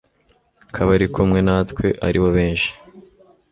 ko abari kumwe natwe ari bo benshi